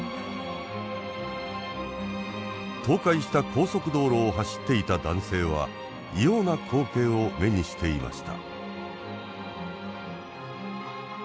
倒壊した高速道路を走っていた男性は異様な光景を目にしていました。